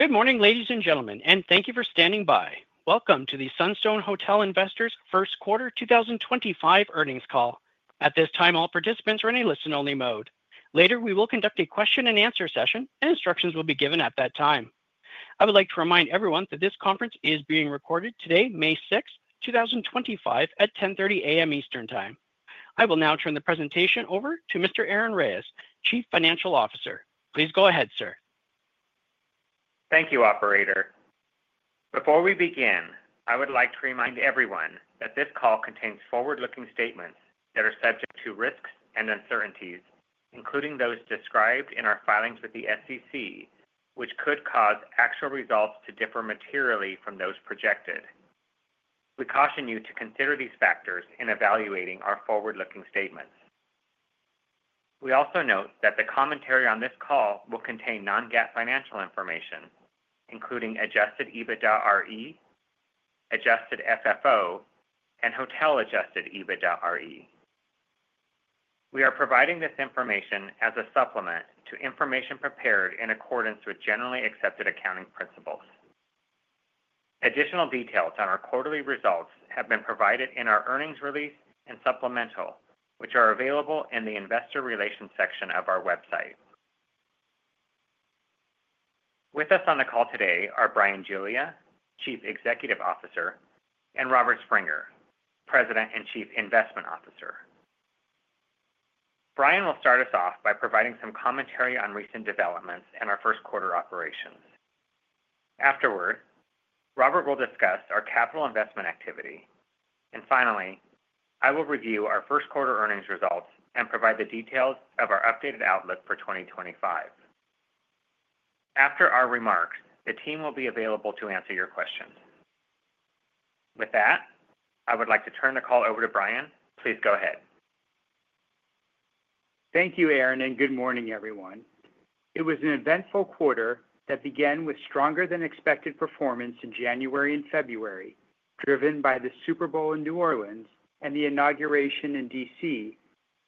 Good morning, ladies and gentlemen, and thank you for standing by. Welcome to the Sunstone Hotel Investors' First Quarter 2025 Earnings Call. At this time, all participants are in a listen-only mode. Later, we will conduct a question-and-answer session, and instructions will be given at that time. I would like to remind everyone that this conference is being recorded today, May 6, 2025, at 10:30 A.M. Eastern Time. I will now turn the presentation over to Mr. Aaron Reyes, Chief Financial Officer. Please go ahead, sir. Thank you, Operator. Before we begin, I would like to remind everyone that this call contains forward-looking statements that are subject to risks and uncertainties, including those described in our filings with the SEC, which could cause actual results to differ materially from those projected. We caution you to consider these factors in evaluating our forward-looking statements. We also note that the commentary on this call will contain non-GAAP financial information, including adjusted EBITDAre, adjusted FFO, and hotel adjusted EBITDAre. We are providing this information as a supplement to information prepared in accordance with generally accepted accounting principles. Additional details on our quarterly results have been provided in our earnings release and supplemental, which are available in the investor relations section of our website. With us on the call today are Bryan Giglia, Chief Executive Officer, and Robert Springer, President and Chief Investment Officer. Bryan will start us off by providing some commentary on recent developments in our first quarter operations. Afterward, Robert will discuss our capital investment activity. Finally, I will review our first quarter earnings results and provide the details of our updated outlook for 2025. After our remarks, the team will be available to answer your questions. With that, I would like to turn the call over to Bryan. Please go ahead. Thank you, Aaron, and good morning, everyone. It was an eventful quarter that began with stronger-than-expected performance in January and February, driven by the Super Bowl in New Orleans and the inauguration in D.C.,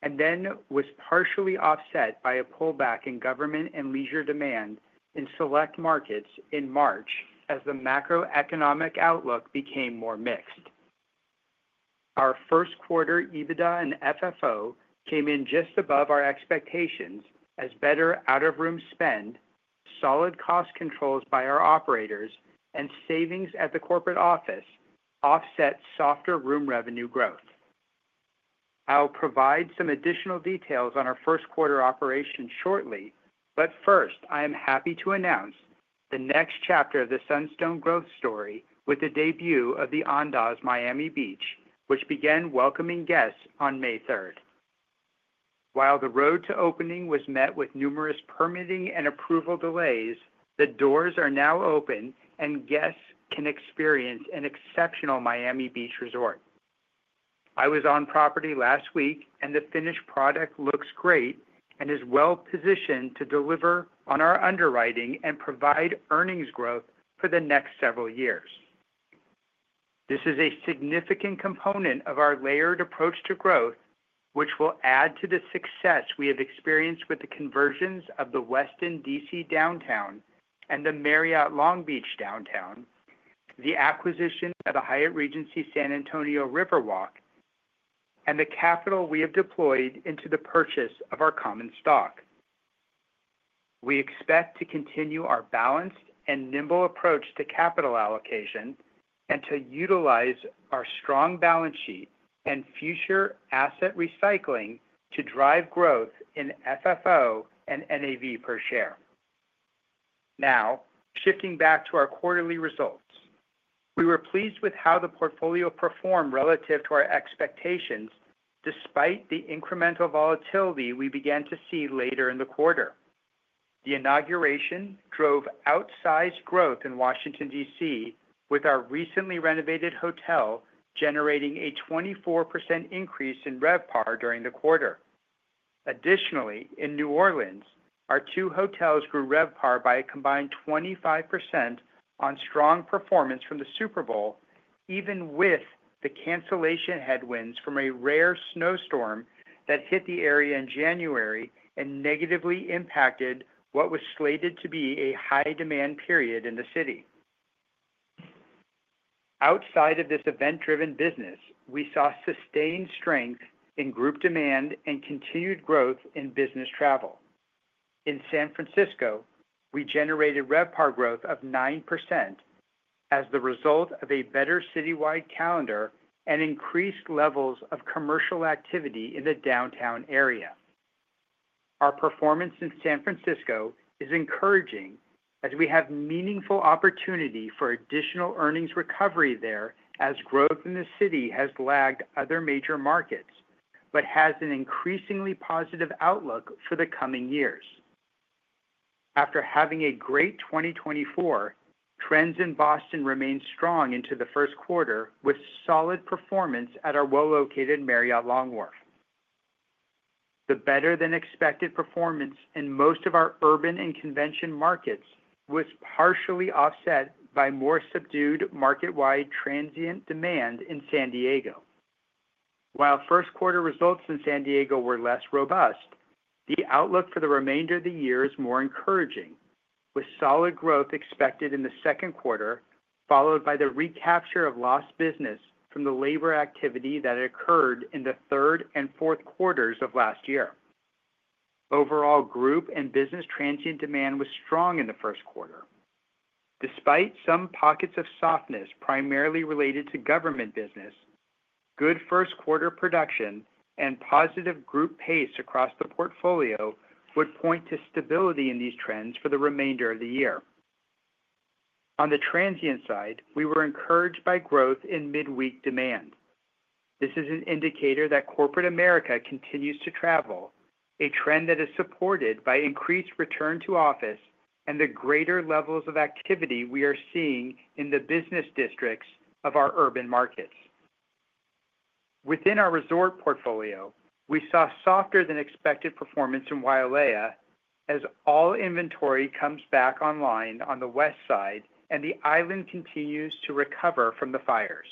and then was partially offset by a pullback in government and leisure demand in select markets in March as the macroeconomic outlook became more mixed. Our first quarter EBITDA and FFO came in just above our expectations as better out-of-room spend, solid cost controls by our operators, and savings at the corporate office offset softer room revenue growth. I'll provide some additional details on our first quarter operations shortly, but first, I am happy to announce the next chapter of the Sunstone growth story with the debut of the Andaz Miami Beach, which began welcoming guests on May 3. While the road to opening was met with numerous permitting and approval delays, the doors are now open, and guests can experience an exceptional Miami Beach resort. I was on property last week, and the finished product looks great and is well-positioned to deliver on our underwriting and provide earnings growth for the next several years. This is a significant component of our layered approach to growth, which will add to the success we have experienced with the conversions of the Westin D.C. Downtown and the Marriott Long Beach Downtown, the acquisition of the Hyatt Regency San Antonio Riverwalk, and the capital we have deployed into the purchase of our common stock. We expect to continue our balanced and nimble approach to capital allocation and to utilize our strong balance sheet and future asset recycling to drive growth in FFO and NAV per share. Now, shifting back to our quarterly results, we were pleased with how the portfolio performed relative to our expectations despite the incremental volatility we began to see later in the quarter. The inauguration drove outsized growth in Washington, D.C., with our recently renovated hotel generating a 24% increase in RevPAR during the quarter. Additionally, in New Orleans, our two hotels grew RevPAR by a combined 25% on strong performance from the Super Bowl, even with the cancellation headwinds from a rare snowstorm that hit the area in January and negatively impacted what was slated to be a high-demand period in the city. Outside of this event-driven business, we saw sustained strength in group demand and continued growth in business travel. In San Francisco, we generated RevPAR growth of 9% as the result of a better citywide calendar and increased levels of commercial activity in the downtown area. Our performance in San Francisco is encouraging as we have meaningful opportunity for additional earnings recovery there as growth in the city has lagged other major markets but has an increasingly positive outlook for the coming years. After having a great 2024, trends in Boston remained strong into the first quarter with solid performance at our well-located Marriott Long Wharf. The better-than-expected performance in most of our urban and convention markets was partially offset by more subdued market-wide transient demand in San Diego. While first quarter results in San Diego were less robust, the outlook for the remainder of the year is more encouraging, with solid growth expected in the second quarter, followed by the recapture of lost business from the labor activity that occurred in the third and fourth quarters of last year. Overall, group and business transient demand was strong in the first quarter. Despite some pockets of softness primarily related to government business, good first quarter production and positive group pace across the portfolio would point to stability in these trends for the remainder of the year. On the transient side, we were encouraged by growth in midweek demand. This is an indicator that corporate America continues to travel, a trend that is supported by increased return to office and the greater levels of activity we are seeing in the business districts of our urban markets. Within our resort portfolio, we saw softer-than-expected performance in Wailea as all inventory comes back online on the west side and the island continues to recover from the fires.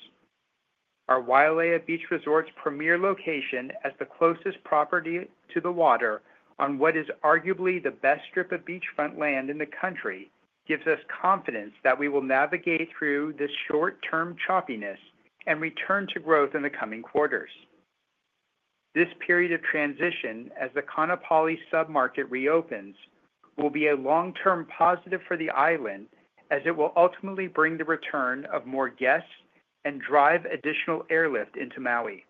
Our Wailea Beach Resort's premier location as the closest property to the water on what is arguably the best strip of beachfront land in the country gives us confidence that we will navigate through this short-term choppiness and return to growth in the coming quarters. This period of transition as the Kaanapali submarket reopens will be a long-term positive for the island as it will ultimately bring the return of more guests and drive additional airlift into Maui.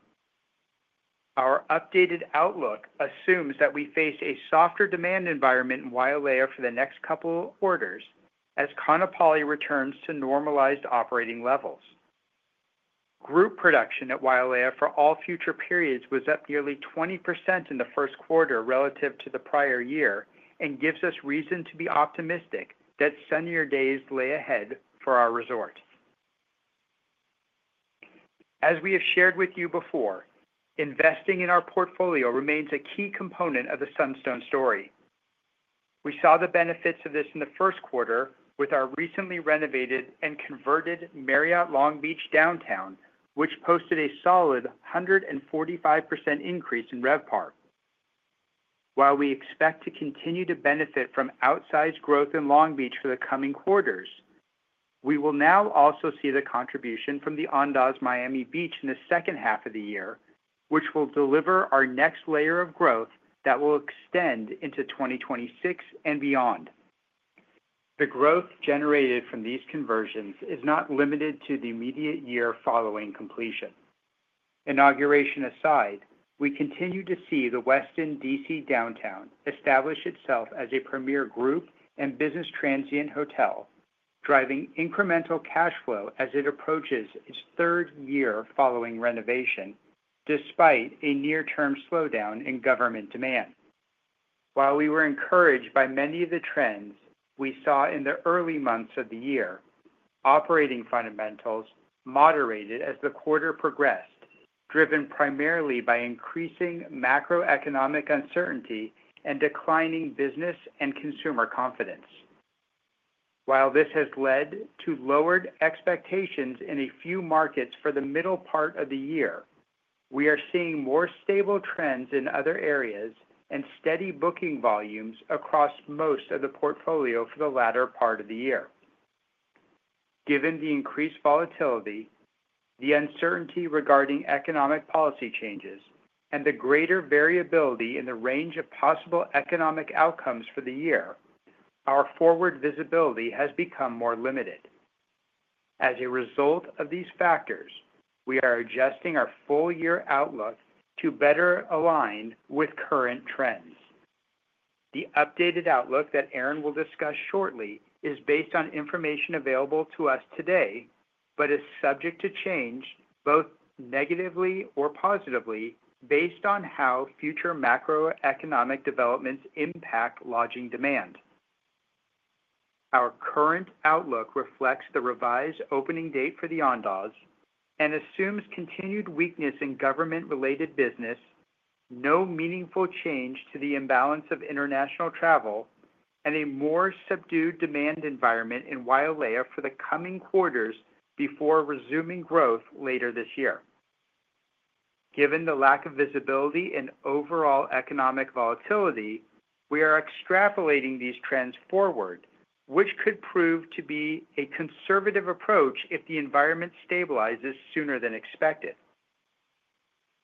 Our updated outlook assumes that we face a softer demand environment in Wailea for the next couple of quarters as Kaanapali returns to normalized operating levels. Group production at Wailea for all future periods was up nearly 20% in the first quarter relative to the prior year and gives us reason to be optimistic that sunnier days lay ahead for our resort. As we have shared with you before, investing in our portfolio remains a key component of the Sunstone story. We saw the benefits of this in the first quarter with our recently renovated and converted Marriott Long Beach Downtown, which posted a solid 145% increase in RevPAR. While we expect to continue to benefit from outsized growth in Long Beach for the coming quarters, we will now also see the contribution from the Andaz Miami Beach in the second half of the year, which will deliver our next layer of growth that will extend into 2026 and beyond. The growth generated from these conversions is not limited to the immediate year following completion. Inauguration aside, we continue to see the Westin Washington, D.C. Downtown establish itself as a premier group and business transient hotel, driving incremental cash flow as it approaches its third year following renovation despite a near-term slowdown in government demand. While we were encouraged by many of the trends we saw in the early months of the year, operating fundamentals moderated as the quarter progressed, driven primarily by increasing macroeconomic uncertainty and declining business and consumer confidence. While this has led to lowered expectations in a few markets for the middle part of the year, we are seeing more stable trends in other areas and steady booking volumes across most of the portfolio for the latter part of the year. Given the increased volatility, the uncertainty regarding economic policy changes, and the greater variability in the range of possible economic outcomes for the year, our forward visibility has become more limited. As a result of these factors, we are adjusting our full-year outlook to better align with current trends. The updated outlook that Aaron will discuss shortly is based on information available to us today but is subject to change both negatively or positively based on how future macroeconomic developments impact lodging demand. Our current outlook reflects the revised opening date for the Andaz and assumes continued weakness in government-related business, no meaningful change to the imbalance of international travel, and a more subdued demand environment in Wailea for the coming quarters before resuming growth later this year. Given the lack of visibility and overall economic volatility, we are extrapolating these trends forward, which could prove to be a conservative approach if the environment stabilizes sooner than expected.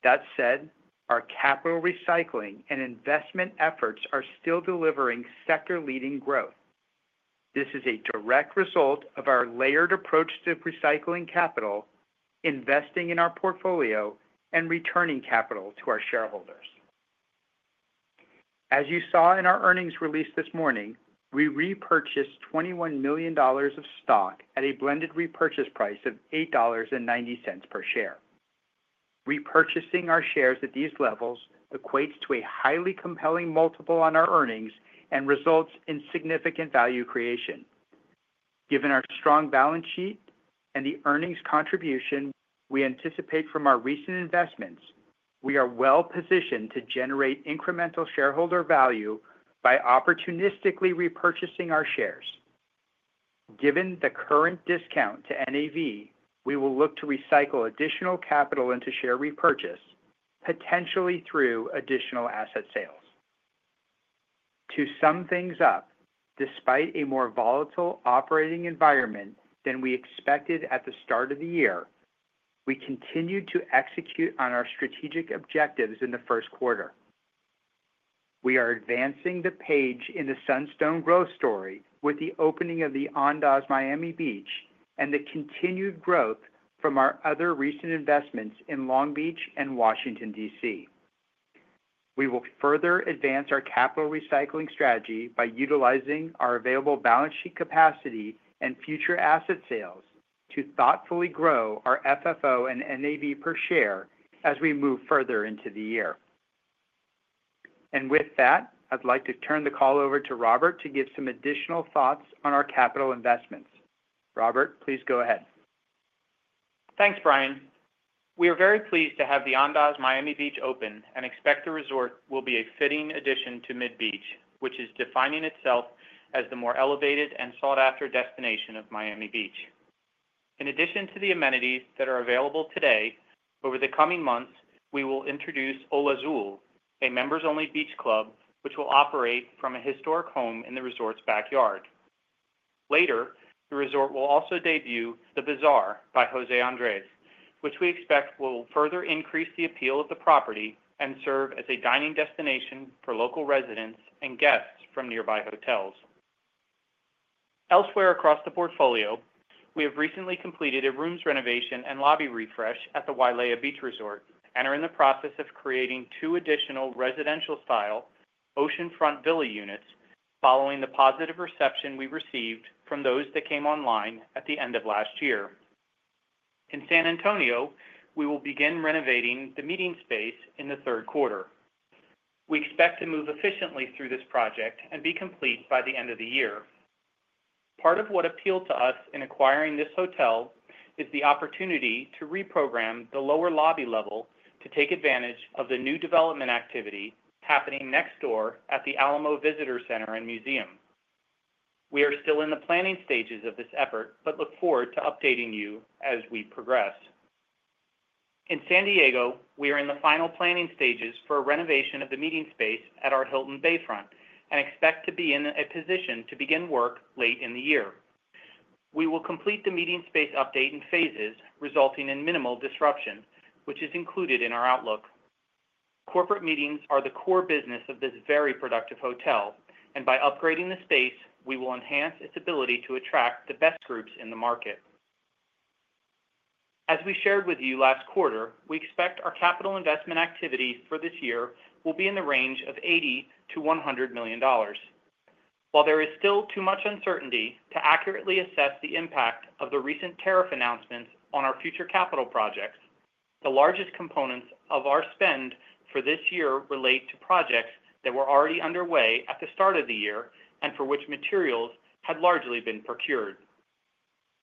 That said, our capital recycling and investment efforts are still delivering sector-leading growth. This is a direct result of our layered approach to recycling capital, investing in our portfolio, and returning capital to our shareholders. As you saw in our earnings release this morning, we repurchased $21 million of stock at a blended repurchase price of $8.90 per share. Repurchasing our shares at these levels equates to a highly compelling multiple on our earnings and results in significant value creation. Given our strong balance sheet and the earnings contribution we anticipate from our recent investments, we are well-positioned to generate incremental shareholder value by opportunistically repurchasing our shares. Given the current discount to NAV, we will look to recycle additional capital into share repurchase, potentially through additional asset sales. To sum things up, despite a more volatile operating environment than we expected at the start of the year, we continue to execute on our strategic objectives in the first quarter. We are advancing the page in the Sunstone growth story with the opening of the Andaz Miami Beach and the continued growth from our other recent investments in Long Beach and Washington, D.C. We will further advance our capital recycling strategy by utilizing our available balance sheet capacity and future asset sales to thoughtfully grow our FFO and NAV per share as we move further into the year. With that, I'd like to turn the call over to Robert to give some additional thoughts on our capital investments. Robert, please go ahead. Thanks, Bryan. We are very pleased to have the Andaz Miami Beach open and expect the resort will be a fitting addition to Mid Beach, which is defining itself as the more elevated and sought-after destination of Miami Beach. In addition to the amenities that are available today, over the coming months, we will introduce Olazul, a members-only beach club, which will operate from a historic home in the resort's backyard. Later, the resort will also debut the Bazaar by José Andrés, which we expect will further increase the appeal of the property and serve as a dining destination for local residents and guests from nearby hotels. Elsewhere across the portfolio, we have recently completed a rooms renovation and lobby refresh at the Wailea Beach Resort and are in the process of creating two additional residential-style oceanfront villa units following the positive reception we received from those that came online at the end of last year. In San Antonio, we will begin renovating the meeting space in the third quarter. We expect to move efficiently through this project and be complete by the end of the year. Part of what appealed to us in acquiring this hotel is the opportunity to reprogram the lower lobby level to take advantage of the new development activity happening next door at the Alamo Visitor Center and Museum. We are still in the planning stages of this effort but look forward to updating you as we progress. In San Diego, we are in the final planning stages for a renovation of the meeting space at our Hilton Bayfront and expect to be in a position to begin work late in the year. We will complete the meeting space update in phases, resulting in minimal disruption, which is included in our outlook. Corporate meetings are the core business of this very productive hotel, and by upgrading the space, we will enhance its ability to attract the best groups in the market. As we shared with you last quarter, we expect our capital investment activities for this year will be in the range of $80 million-$100 million. While there is still too much uncertainty to accurately assess the impact of the recent tariff announcements on our future capital projects, the largest components of our spend for this year relate to projects that were already underway at the start of the year and for which materials had largely been procured.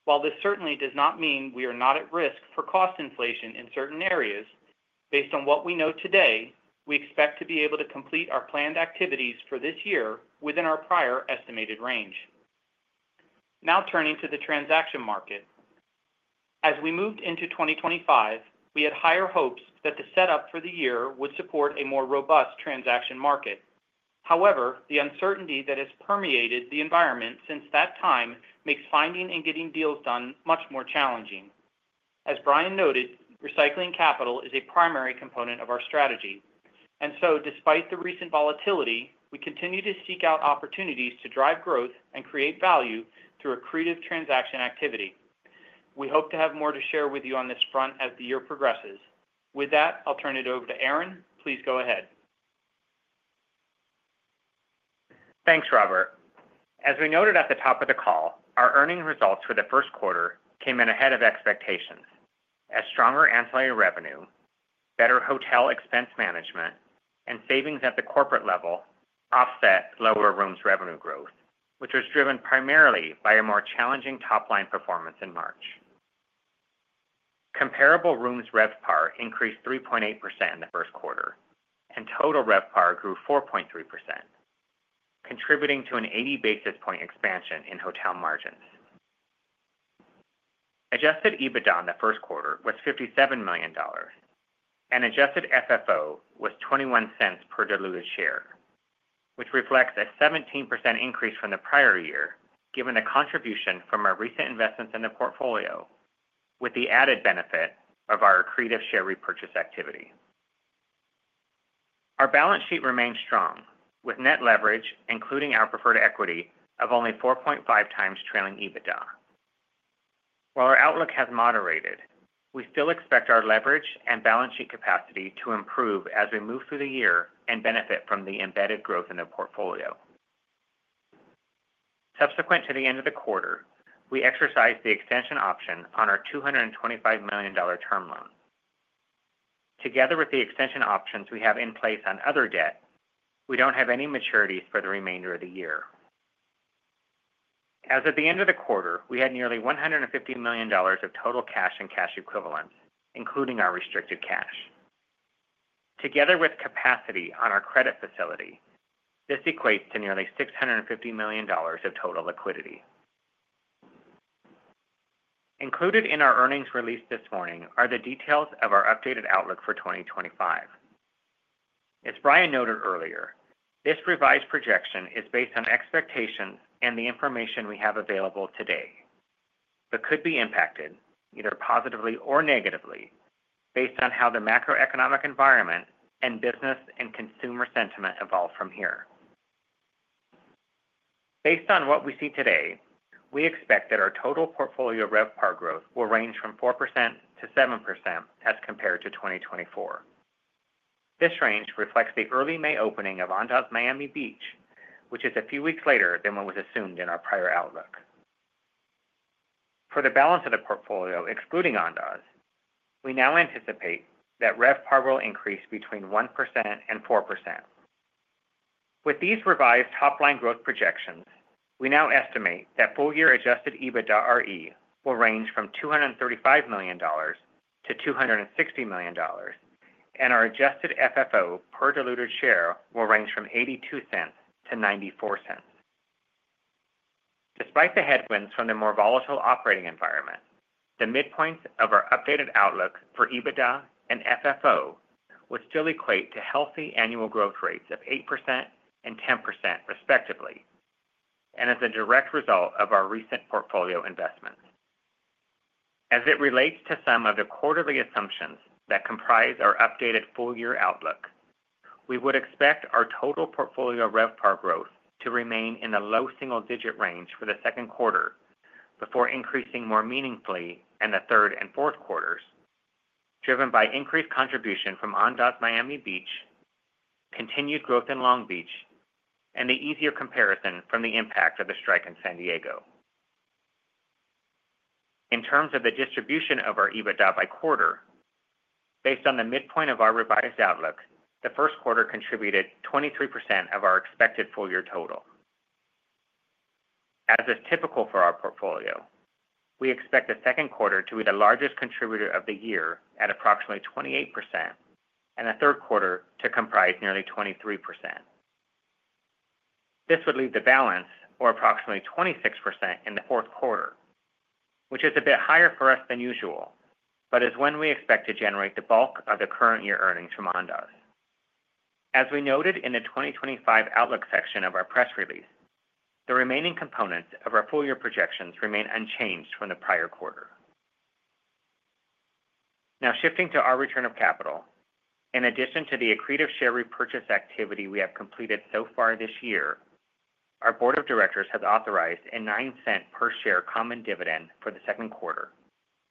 While this certainly does not mean we are not at risk for cost inflation in certain areas, based on what we know today, we expect to be able to complete our planned activities for this year within our prior estimated range. Now turning to the transaction market. As we moved into 2025, we had higher hopes that the setup for the year would support a more robust transaction market. However, the uncertainty that has permeated the environment since that time makes finding and getting deals done much more challenging. As Bryan noted, recycling capital is a primary component of our strategy. Despite the recent volatility, we continue to seek out opportunities to drive growth and create value through accretive transaction activity. We hope to have more to share with you on this front as the year progresses. With that, I'll turn it over to Aaron. Please go ahead. Thanks, Robert. As we noted at the top of the call, our earning results for the first quarter came in ahead of expectations as stronger ancillary revenue, better hotel expense management, and savings at the corporate level offset lower rooms revenue growth, which was driven primarily by a more challenging top-line performance in March. Comparable rooms RevPAR increased 3.8% in the first quarter, and total RevPAR grew 4.3%, contributing to an 80 basis point expansion in hotel margins. Adjusted EBITDAre in the first quarter was $57 million, and adjusted FFO was $0.21 per diluted share, which reflects a 17% increase from the prior year given the contribution from our recent investments in the portfolio with the added benefit of our accretive share repurchase activity. Our balance sheet remained strong with net leverage, including our preferred equity, of only 4.5 times trailing EBITDA. While our outlook has moderated, we still expect our leverage and balance sheet capacity to improve as we move through the year and benefit from the embedded growth in the portfolio. Subsequent to the end of the quarter, we exercised the extension option on our $225 million term loan. Together with the extension options we have in place on other debt, we do not have any maturities for the remainder of the year. As of the end of the quarter, we had nearly $150 million of total cash and cash equivalents, including our restricted cash. Together with capacity on our credit facility, this equates to nearly $650 million of total liquidity. Included in our earnings release this morning are the details of our updated outlook for 2025. As Bryan noted earlier, this revised projection is based on expectations and the information we have available today but could be impacted either positively or negatively based on how the macroeconomic environment and business and consumer sentiment evolve from here. Based on what we see today, we expect that our total portfolio RevPAR growth will range from 4%-7% as compared to 2024. This range reflects the early May opening of Andaz Miami Beach, which is a few weeks later than what was assumed in our prior outlook. For the balance of the portfolio excluding Andaz, we now anticipate that RevPAR will increase between 1% and 4%. With these revised top-line growth projections, we now estimate that full-year adjusted EBITDAre will range from $235 million-$260 million, and our adjusted FFO per diluted share will range from $0.82-$0.94. Despite the headwinds from the more volatile operating environment, the midpoint of our updated outlook for EBITDAre and FFO would still equate to healthy annual growth rates of 8% and 10% respectively and as a direct result of our recent portfolio investments. As it relates to some of the quarterly assumptions that comprise our updated full-year outlook, we would expect our total portfolio RevPAR growth to remain in the low single-digit range for the second quarter before increasing more meaningfully in the third and fourth quarters, driven by increased contribution from Andaz Miami Beach, continued growth in Long Beach, and the easier comparison from the impact of the strike in San Diego. In terms of the distribution of our EBITDA by quarter, based on the midpoint of our revised outlook, the first quarter contributed 23% of our expected full-year total. As is typical for our portfolio, we expect the second quarter to be the largest contributor of the year at approximately 28% and the third quarter to comprise nearly 23%. This would leave the balance, or approximately 26%, in the fourth quarter, which is a bit higher for us than usual but is when we expect to generate the bulk of the current year earnings from Andaz. As we noted in the 2025 outlook section of our press release, the remaining components of our full-year projections remain unchanged from the prior quarter. Now shifting to our return of capital, in addition to the accretive share repurchase activity we have completed so far this year, our board of directors has authorized a $0.09 per share common dividend for the second quarter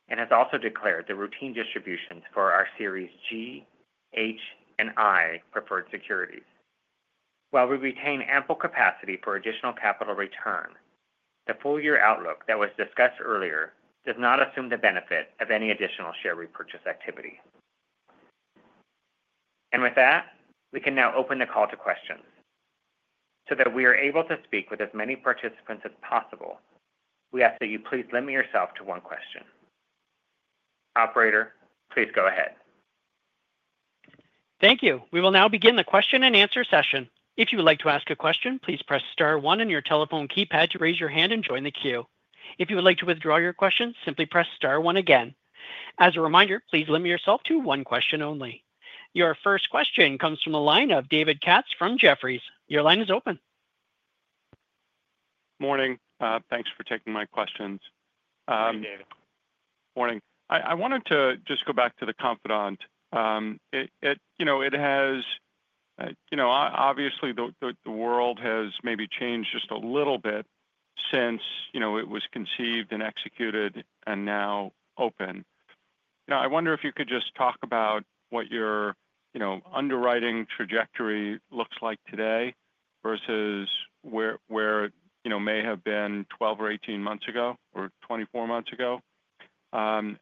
and has also declared the routine distributions for our Series G, H, and I preferred securities. While we retain ample capacity for additional capital return, the full-year outlook that was discussed earlier does not assume the benefit of any additional share repurchase activity. With that, we can now open the call to questions. So that we are able to speak with as many participants as possible, we ask that you please limit yourself to one question. Operator, please go ahead. Thank you. We will now begin the question and answer session. If you would like to ask a question, please press star one on your telephone keypad to raise your hand and join the queue. If you would like to withdraw your question, simply press star one again. As a reminder, please limit yourself to one question only. Your first question comes from the line of David Katz from Jefferies. Your line is open. Morning. Thanks for taking my questions. Hey, David. Morning. I wanted to just go back to the Confidante. You know, it has, you know, obviously the world has maybe changed just a little bit since it was conceived and executed and now open. You know, I wonder if you could just talk about what your underwriting trajectory looks like today versus where, you know, may have been 12 or 18 months ago or 24 months ago.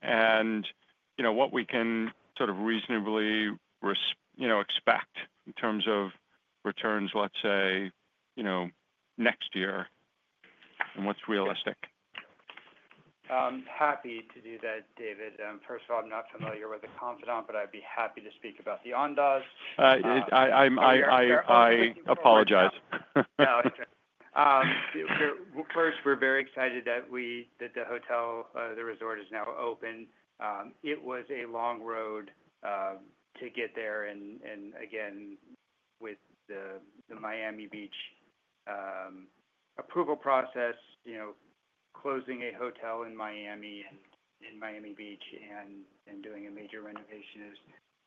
You know, what we can sort of reasonably, you know, expect in terms of returns, let's say, you know, next year and what's realistic. I'm happy to do that, David. First of all, I'm not familiar with The Confidante, but I'd be happy to speak about the Andaz. I apologize. No, it's okay. First, we're very excited that the hotel, the resort, is now open. It was a long road to get there. Again, with the Miami Beach approval process, you know, closing a hotel in Miami and in Miami Beach and doing a major renovation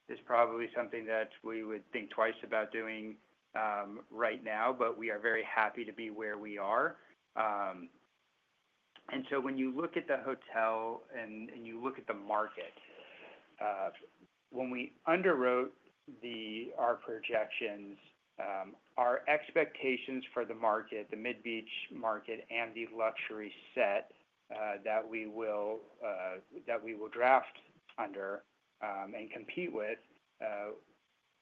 is probably something that we would think twice about doing right now, but we are very happy to be where we are. When you look at the hotel and you look at the market, when we underwrote our projections, our expectations for the market, the Mid Beach market, and the luxury set that we will draft under and compete with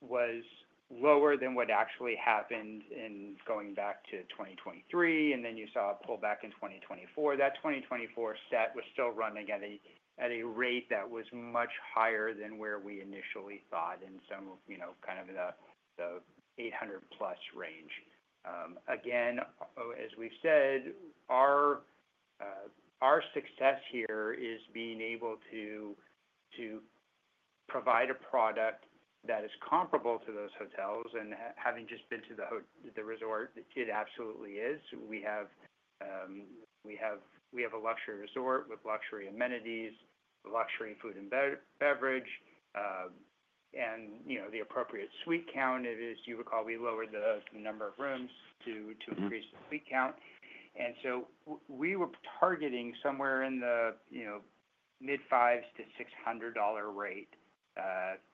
was lower than what actually happened in going back to 2023. You saw a pullback in 2024. That 2024 set was still running at a rate that was much higher than where we initially thought in some, you know, kind of the $800-plus range. Again, as we've said, our success here is being able to provide a product that is comparable to those hotels. Having just been to the resort, it absolutely is. We have a luxury resort with luxury amenities, luxury food and beverage, and, you know, the appropriate suite count. As you recall, we lowered the number of rooms to increase the suite count. We were targeting somewhere in the, you know, mid-$500-$600 rate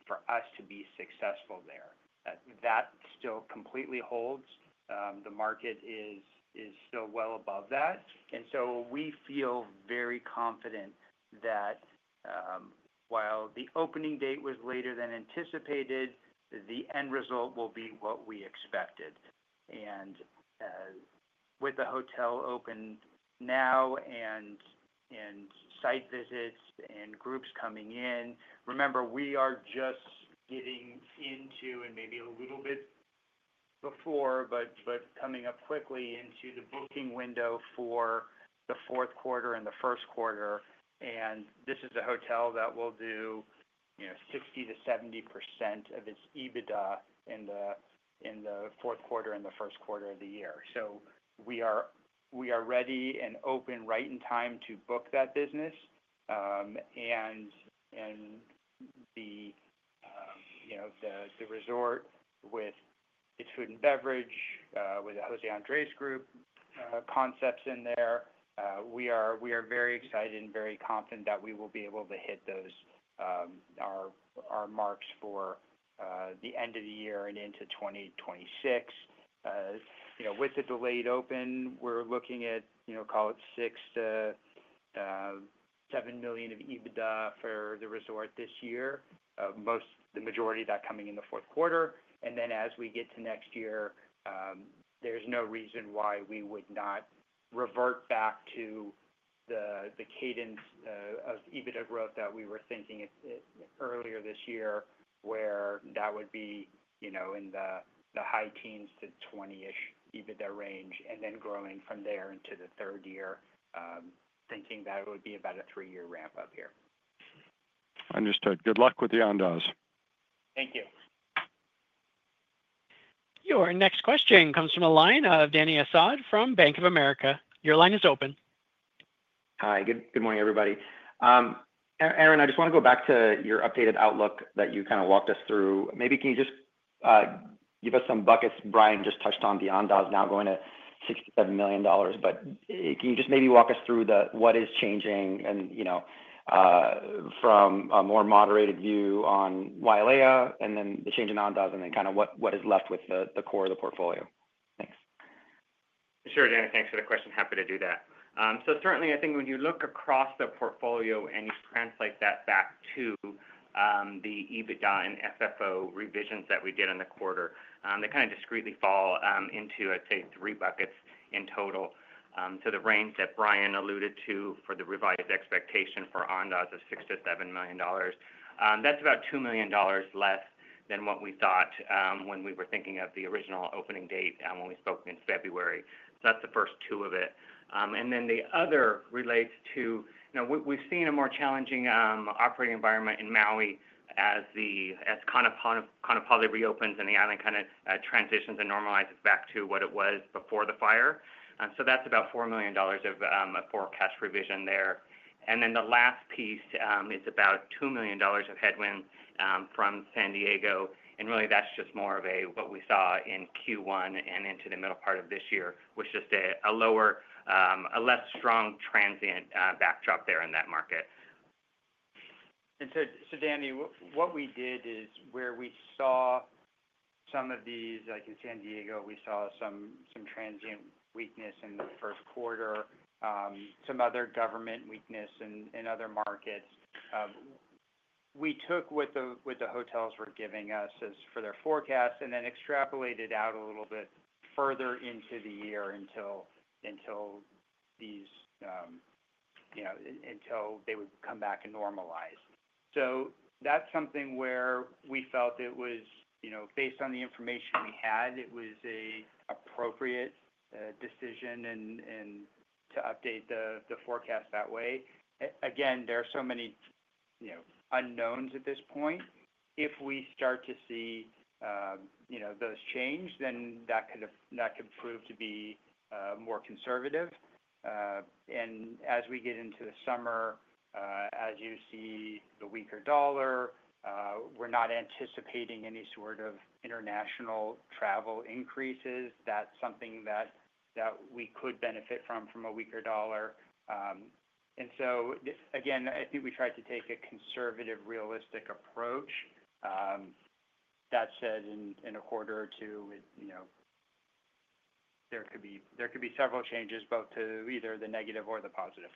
for us to be successful there. That still completely holds. The market is still well above that. We feel very confident that while the opening date was later than anticipated, the end result will be what we expected. With the hotel open now and site visits and groups coming in, remember, we are just getting into and maybe a little bit before, but coming up quickly into the booking window for the fourth quarter and the first quarter. This is a hotel that will do, you know, 60-70% of its EBITDA in the fourth quarter and the first quarter of the year. We are ready and open right in time to book that business. The resort with its food and beverage, with the José Andrés Group concepts in there, we are very excited and very confident that we will be able to hit our marks for the end of the year and into 2026. You know, with the delayed open, we're looking at, you know, call it $6 million-$7 million of EBITDA for the resort this year, most, the majority of that coming in the fourth quarter. And then as we get to next year, there's no reason why we would not revert back to the cadence of EBITDA growth that we were thinking earlier this year, where that would be, you know, in the high teens to 20-ish EBITDA range and then growing from there into the third year, thinking that it would be about a three-year ramp up here. Understood. Good luck with the Andaz. Thank you. Your next question comes from the line of Dany Asad from Bank of America. Your line is open. Hi. Good morning, everybody. Aaron, I just want to go back to your updated outlook that you kind of walked us through. Maybe can you just give us some buckets? Bryan just touched on the Andaz now going to $6 million-$7 million, but can you just maybe walk us through what is changing and, you know, from a more moderated view on Wailea and then the change in Andaz and then kind of what is left with the core of the portfolio? Thanks. Sure, Daniel. Thanks for the question. Happy to do that. Certainly, I think when you look across the portfolio and you translate that back to the EBITDA and FFO revisions that we did in the quarter, they kind of discreetly fall into, I'd say, three buckets in total. The range that Bryan alluded to for the revised expectation for Andaz of $6 million-7 million, that's about $2 million less than what we thought when we were thinking of the original opening date when we spoke in February. That's the first two of it. Then the other relates to, you know, we've seen a more challenging operating environment in Maui as the, as Kaanapali reopens and the island kind of transitions and normalizes back to what it was before the fire. That's about $4 million of a forecast revision there. The last piece is about $2 million of headwinds from San Diego. Really, that's just more of a, what we saw in Q1 and into the middle part of this year, was just a lower, a less strong transient backdrop there in that market. So, Dany, what we did is where we saw some of these, like in San Diego, we saw some transient weakness in the first quarter, some other government weakness in other markets. We took what the hotels were giving us as for their forecast and then extrapolated out a little bit further into the year until, until these, you know, until they would come back and normalize. So that's something where we felt it was, you know, based on the information we had, it was an appropriate decision and to update the forecast that way. Again, there are so many, you know, unknowns at this point. If we start to see, you know, those change, then that could, that could prove to be more conservative. And as we get into the summer, as you see the weaker dollar, we're not anticipating any sort of international travel increases. That's something that we could benefit from, from a weaker dollar. And so again, I think we tried to take a conservative, realistic approach. That said, in a quarter or two, you know, there could be, there could be several changes both to either the negative or the positive.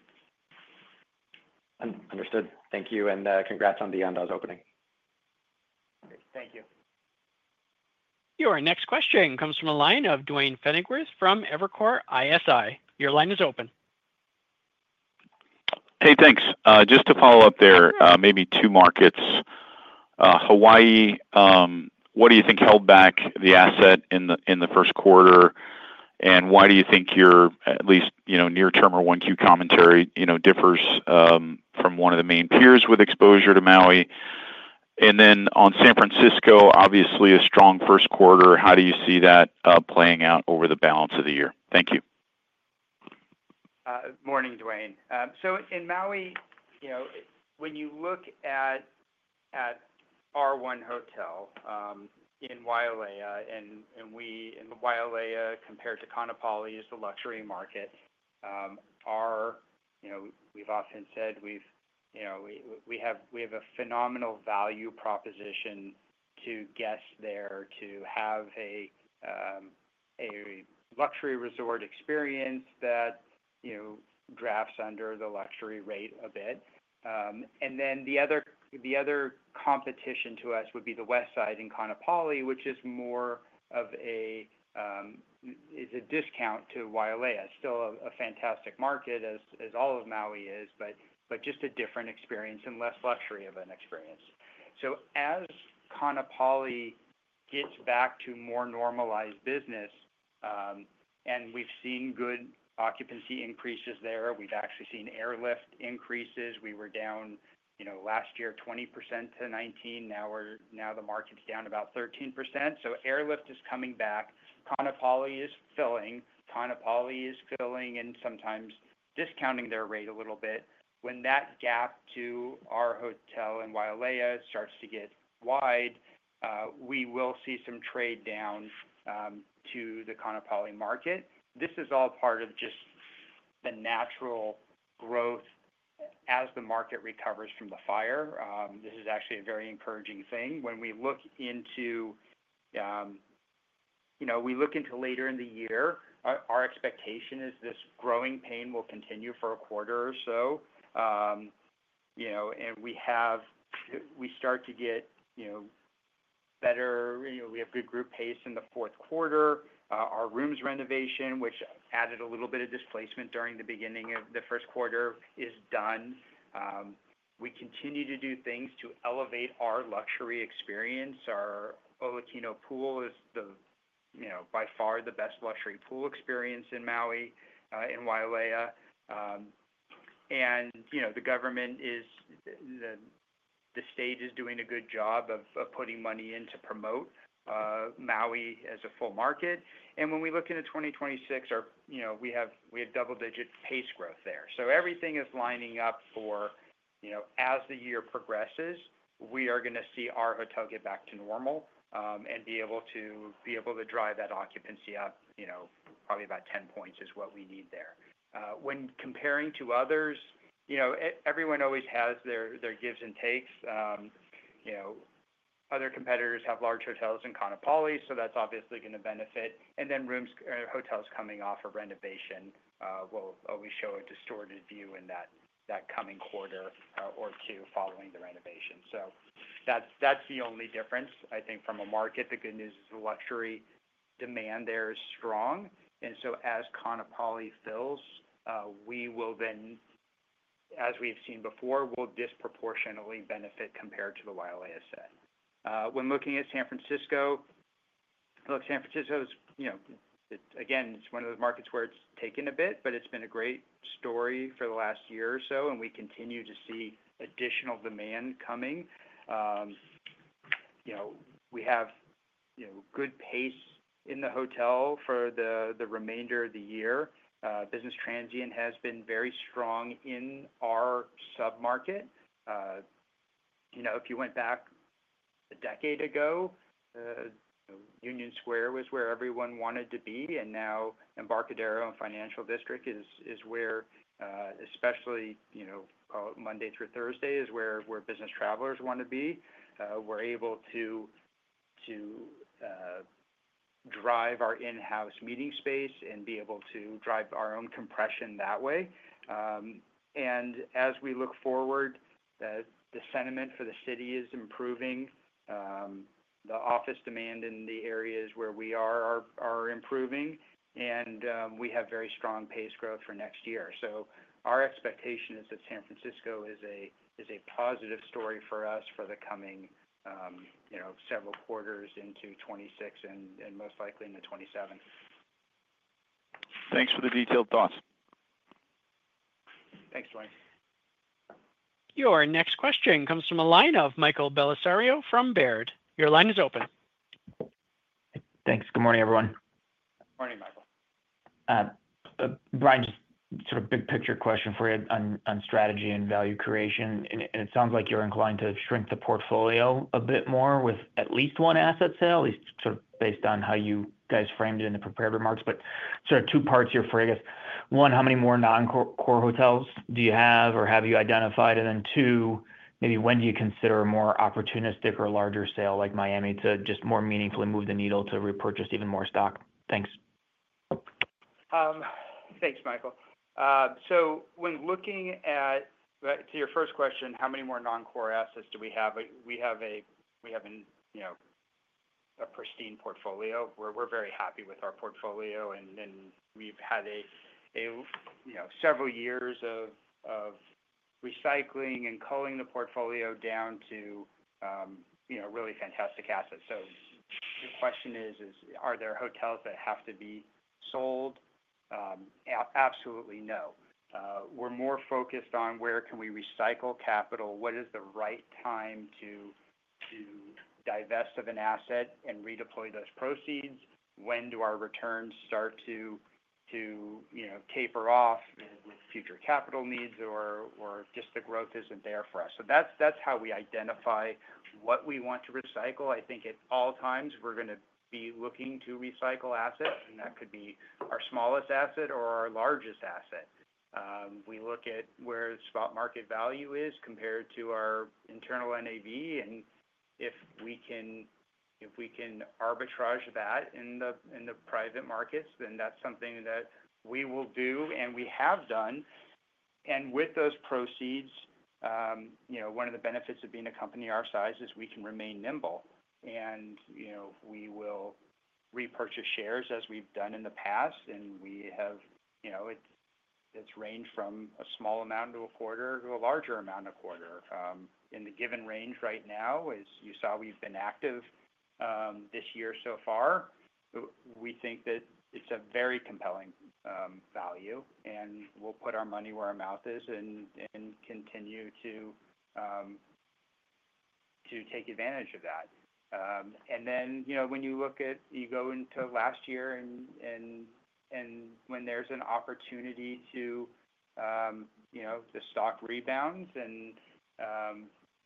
Understood. Thank you. And congrats on the Andaz opening. Thank you. Your next question comes from the line of Duane Pfennigwerth from Evercore ISI. Your line is open. Hey, thanks. Just to follow up there, maybe two markets. Hawaii, what do you think held back the asset in the first quarter? And why do you think your, at least, you know, near-term or 1Q commentary, you know, differs from one of the main peers with exposure to Maui? And then on San Francisco, obviously a strong first quarter. How do you see that playing out over the balance of the year? Thank you. Morning, Duane. In Maui, you know, when you look at our hotel in Wailea and Wailea compared to Kaanapali as the luxury market, our, you know, we've often said we have a phenomenal value proposition to guests there to have a luxury resort experience that, you know, drafts under the luxury rate a bit. The other competition to us would be the west side in Kaanapali, which is more of a discount to Wailea. Still a fantastic market as all of Maui is, but just a different experience and less luxury of an experience. As Kaanapali gets back to more normalized business, and we've seen good occupancy increases there. We've actually seen airlift increases. We were down, you know, last year 20% to 19%. Now the market's down about 13%. Airlift is coming back. Kaanapali is filling. Kaanapali is filling and sometimes discounting their rate a little bit. When that gap to our hotel in Wailea starts to get wide, we will see some trade down to the Kaanapali market. This is all part of just the natural growth as the market recovers from the fire. This is actually a very encouraging thing. When we look into, you know, we look into later in the year, our expectation is this growing pain will continue for a quarter or so. You know, and we have, we start to get, you know, better, you know, we have good group pace in the fourth quarter. Our rooms renovation, which added a little bit of displacement during the beginning of the first quarter, is done. We continue to do things to elevate our luxury experience. Our Olokino pool is the, you know, by far the best luxury pool experience in Maui, in Wailea. You know, the government is, the state is doing a good job of putting money in to promote Maui as a full market. When we look into 2026, you know, we have double-digit pace growth there. Everything is lining up for, you know, as the year progresses, we are going to see our hotel get back to normal and be able to drive that occupancy up, you know, probably about 10 points is what we need there. When comparing to others, you know, everyone always has their gives and takes. You know, other competitors have large hotels in Kaanapali, so that is obviously going to benefit. Rooms or hotels coming off of renovation will always show a distorted view in that coming quarter or two following the renovation. That is the only difference. I think from a market, the good news is the luxury demand there is strong. As Kaanapali fills, we will then, as we have seen before, disproportionately benefit compared to the Wailea set. When looking at San Francisco, look, San Francisco is, you know, again, it is one of those markets where it has taken a bit, but it has been a great story for the last year or so. We continue to see additional demand coming. You know, we have good pace in the hotel for the remainder of the year. Business transient has been very strong in our submarket. You know, if you went back a decade ago, Union Square was where everyone wanted to be. Now Embarcadero and Financial District is where, especially, you know, call it Monday through Thursday, is where business travelers want to be. We're able to drive our in-house meeting space and be able to drive our own compression that way. As we look forward, the sentiment for the city is improving. The office demand in the areas where we are is improving. We have very strong pace growth for next year. Our expectation is that San Francisco is a positive story for us for the coming, you know, several quarters into 2026 and most likely into 2027. Thanks for the detailed thoughts. Thanks, Duane. Your next question comes from Michael Bellisario from Baird. Your line is open. Thanks. Good morning, everyone. Good morning, Michael. Bryan, just sort of big picture question for you on strategy and value creation. It sounds like you're inclined to shrink the portfolio a bit more with at least one asset sale, at least sort of based on how you guys framed it in the prepared remarks. Two parts here for you, I guess. One, how many more non-core hotels do you have or have you identified? Two, maybe when do you consider a more opportunistic or larger sale like Miami to just more meaningfully move the needle to repurchase even more stock? Thanks. Thanks, Michael. When looking at, to your first question, how many more non-core assets do we have? We have a, you know, a pristine portfolio. We're very happy with our portfolio. We've had, you know, several years of recycling and culling the portfolio down to really fantastic assets. The question is, are there hotels that have to be sold? Absolutely not. We're more focused on where we can recycle capital, what is the right time to divest of an asset and redeploy those proceeds, when our returns start to taper off with future capital needs or just the growth is not there for us. That is how we identify what we want to recycle. I think at all times we are going to be looking to recycle assets. That could be our smallest asset or our largest asset. We look at where spot market value is compared to our internal NAV. If we can arbitrage that in the private markets, then that is something that we will do and we have done. With those proceeds, you know, one of the benefits of being a company our size is we can remain nimble. You know, we will repurchase shares as we have done in the past. We have, you know, it has ranged from a small amount a quarter to a larger amount a quarter. In the given range right now, as you saw, we have been active this year so far. We think that it is a very compelling value. We will put our money where our mouth is and continue to take advantage of that. You know, when you look at, you go into last year and when there's an opportunity to, you know, the stock rebounds and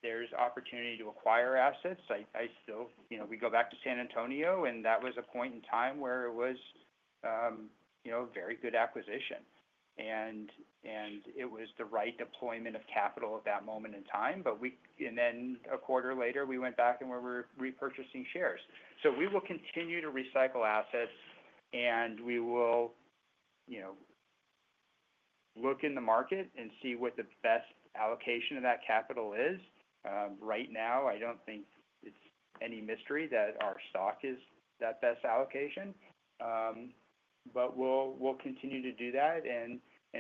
there's opportunity to acquire assets, I still, you know, we go back to San Antonio and that was a point in time where it was, you know, a very good acquisition. It was the right deployment of capital at that moment in time. We, and then a quarter later we went back and we were repurchasing shares. We will continue to recycle assets and we will, you know, look in the market and see what the best allocation of that capital is. Right now, I do not think it is any mystery that our stock is that best allocation. We will continue to do that.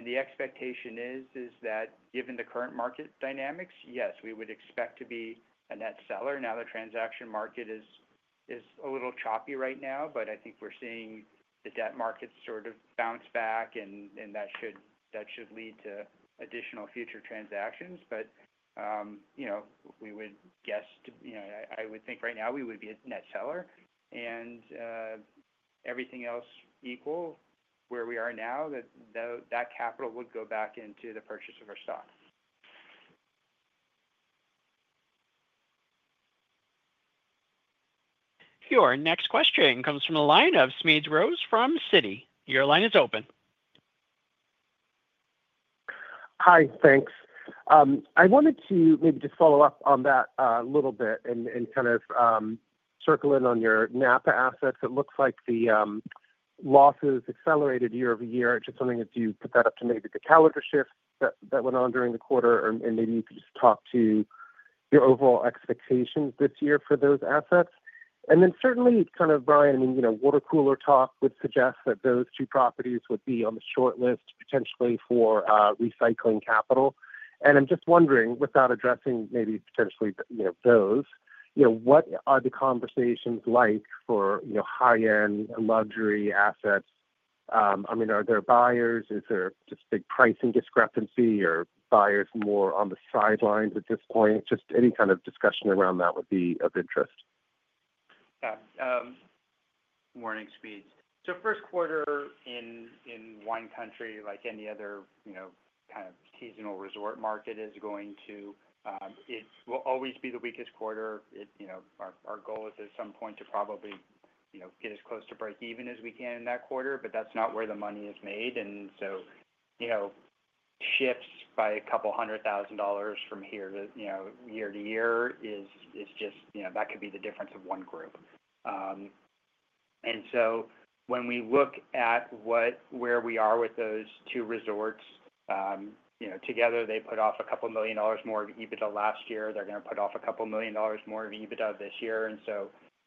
The expectation is that given the current market dynamics, yes, we would expect to be a net seller. The transaction market is a little choppy right now, but I think we're seeing the debt markets sort of bounce back and that should lead to additional future transactions. You know, we would guess, I would think right now we would be a net seller. Everything else equal where we are now, that capital would go back into the purchase of our stock. Your next question comes from Smedes Rose from Citi. Your line is open. Hi, thanks. I wanted to maybe just follow up on that a little bit and kind of circle in on your Napa assets. It looks like the losses accelerated year over year. Just wondering if you put that up to maybe the calendar shift that went on during the quarter and maybe you could just talk to your overall expectations this year for those assets. Certainly, kind of, Bryan, I mean, you know, water cooler talk would suggest that those two properties would be on the short list potentially for recycling capital. I'm just wondering, without addressing maybe potentially, you know, those, you know, what are the conversations like for, you know, high-end luxury assets? I mean, are there buyers? Is there just big pricing discrepancy or are buyers more on the sidelines at this point? Just any kind of discussion around that would be of interest. Morning, Smedes. First quarter in Wine Country, like any other, you know, kind of seasonal resort market, is going to, it will always be the weakest quarter. It, you know, our goal is at some point to probably, you know, get as close to break even as we can in that quarter, but that's not where the money is made. You know, shifts by a couple hundred thousand dollars from here to, you know, year to year is just, you know, that could be the difference of one group. When we look at what, where we are with those two resorts, you know, together they put off a couple million dollars more of EBITDA last year. They're going to put off a couple million dollars more of EBITDA this year.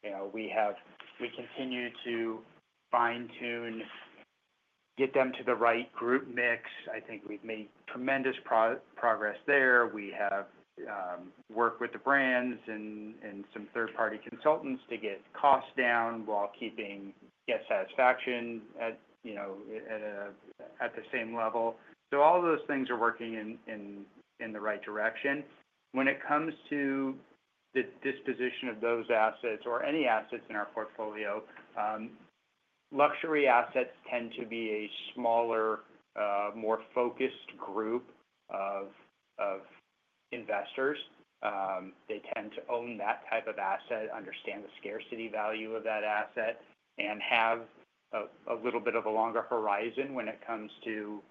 You know, we have, we continue to fine-tune, get them to the right group mix. I think we've made tremendous progress there. We have worked with the brands and some third-party consultants to get costs down while keeping guest satisfaction at, you know, at the same level. All those things are working in the right direction. When it comes to the disposition of those assets or any assets in our portfolio, luxury assets tend to be a smaller, more focused group of investors. They tend to own that type of asset, understand the scarcity value of that asset, and have a little bit of a longer horizon when it comes to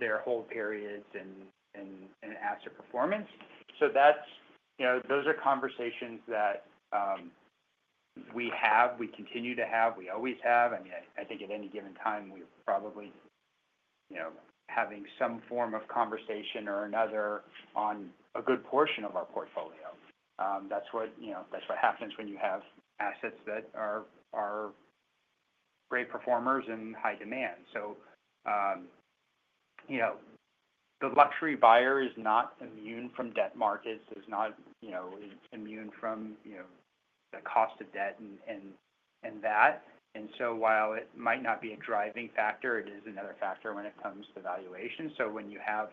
their hold periods and asset performance. You know, those are conversations that we have, we continue to have, we always have. I mean, I think at any given time we're probably, you know, having some form of conversation or another on a good portion of our portfolio. That's what, you know, that's what happens when you have assets that are great performers and high demand. You know, the luxury buyer is not immune from debt markets, is not, you know, immune from, you know, the cost of debt and that. While it might not be a driving factor, it is another factor when it comes to valuation. When you have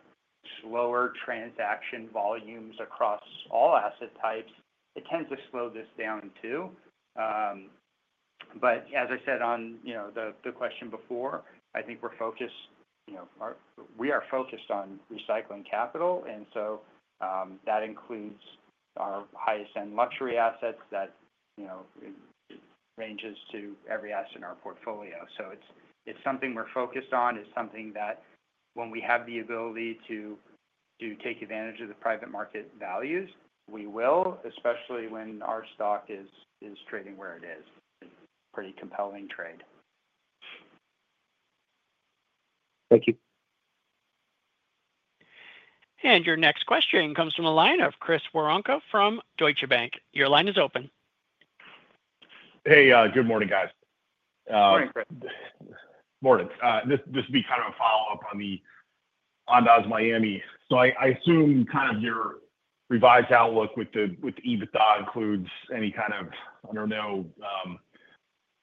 slower transaction volumes across all asset types, it tends to slow this down too. As I said on, you know, the question before, I think we're focused, you know, we are focused on recycling capital. That includes our highest-end luxury assets that, you know, ranges to every asset in our portfolio. It's something we're focused on. It's something that when we have the ability to take advantage of the private market values, we will, especially when our stock is trading where it is. It's a pretty compelling trade. Thank you. Your next question comes from the line of Chris Woronka from Deutsche Bank. Your line is open. Hey, good morning, guys. Morning. Morning. This would be kind of a follow-up on Miami. I assume your revised outlook with EBITDA includes any kind of, I don't know,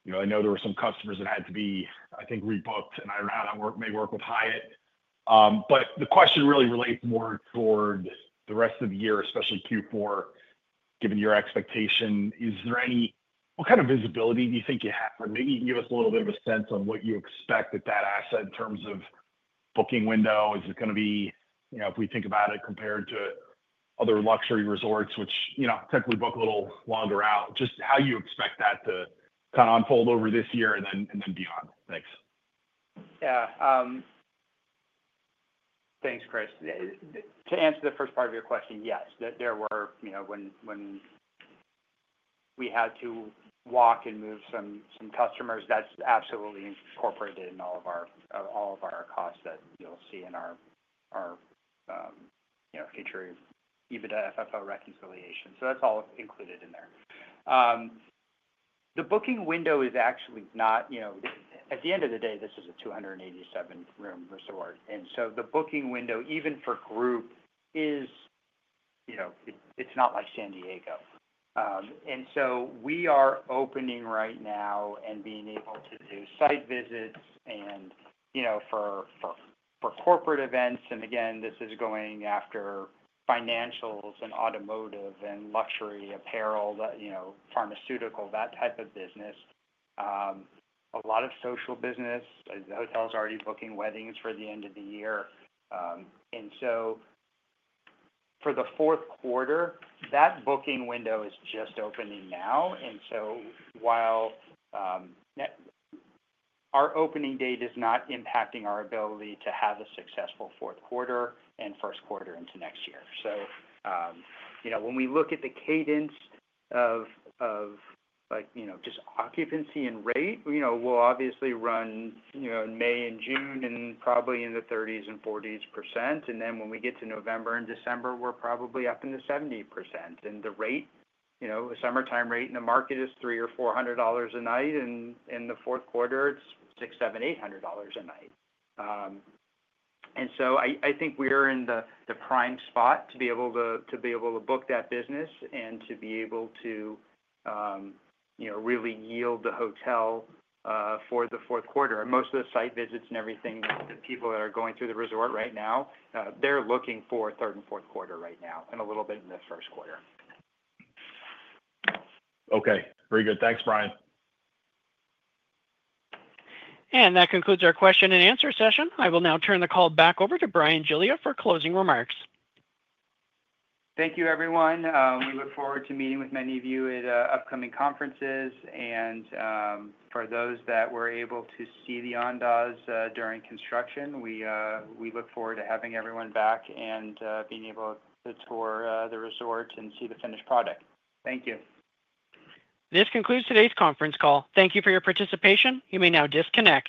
you know, I know there were some customers that had to be, I think, rebooked. I don't know how that may work with Hyatt. The question really relates more toward the rest of the year, especially Q4, given your expectation. Is there any, what kind of visibility do you think you have? Or maybe you can give us a little bit of a sense on what you expect with that asset in terms of booking window. Is it going to be, you know, if we think about it compared to other luxury resorts, which, you know, typically book a little longer out, just how you expect that to kind of unfold over this year and then, and then beyond? Thanks. Yeah. Thanks, Chris. To answer the first part of your question, yes, there were, you know, when we had to walk and move some customers, that's absolutely incorporated in all of our costs that you'll see in our, you know, future EBITDA and FFO reconciliation. So that's all included in there. The booking window is actually not, you know, at the end of the day, this is a 287-room resort. The booking window, even for group, is, you know, it's not like San Diego. We are opening right now and being able to do site visits and, you know, for corporate events. Again, this is going after financials and automotive and luxury apparel, you know, pharmaceutical, that type of business. A lot of social business. The hotel's already booking weddings for the end of the year. For the fourth quarter, that booking window is just opening now. While our opening date is not impacting our ability to have a successful fourth quarter and first quarter into next year. You know, when we look at the cadence of, of like, you know, just occupancy and rate, you know, we'll obviously run, you know, in May and June and probably in the 30%-40% range. When we get to November and December, we're probably up in the 70%. The rate, you know, a summertime rate in the market is $300-$400 a night. In the fourth quarter, it's $600-$800 a night. I think we're in the prime spot to be able to book that business and to be able to, you know, really yield the hotel for the fourth quarter. Most of the site visits and everything, the people that are going through the resort right now, they're looking for third and fourth quarter right now and a little bit in the first quarter. Okay. Very good. Thanks, Bryan. That concludes our question and answer session. I will now turn the call back over to Bryan Giglia for closing remarks. Thank you, everyone. We look forward to meeting with many of you at upcoming conferences. For those that were able to see the Andaz during construction, we look forward to having everyone back and being able to tour the resort and see the finished product. Thank you. This concludes today's conference call. Thank you for your participation. You may now disconnect.